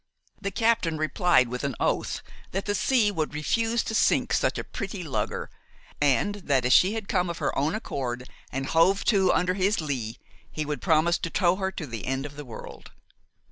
The captain replied with an oath that the sea would refuse to sink such a pretty lugger, and that, as she had come of her own accord and hove to under his lee, he would promise to tow her to the end of the world.